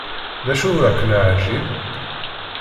D acu ur ak-neεǧib?